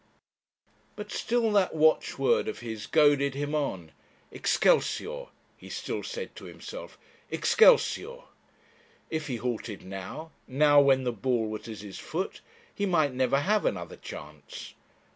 But still that watchword of his goaded him on 'Excelsior!' he still said to himself; 'Excelsior!' If he halted now, now when the ball was at his foot, he might never have another chance.